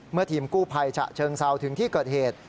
ทีมกู้ภัยฉะเชิงเซาถึงที่เกิดเหตุ